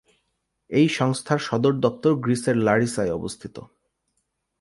এই সংস্থার সদর দপ্তর গ্রিসের লারিসায় অবস্থিত।